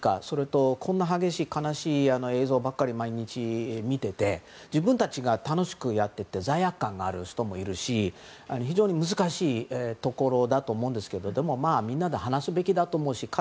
それとこんな激しい悲しい映像ばかりを毎日見ていて自分たちが楽しくやっていて罪悪感がある人もいるし非常に難しいところだと思うんですけどでも、みんなで話すべきだと思うし